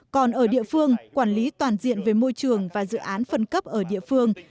còn ở địa phương quản lý toàn diện về môi trường và dự án phân cấp ở địa phương